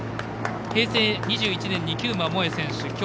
平成２１年に久馬萌選手。